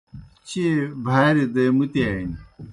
چیئے بھاریْ دے مُتِیانیْ۔